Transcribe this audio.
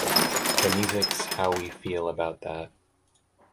The music's how we feel about that.